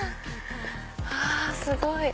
あすごい！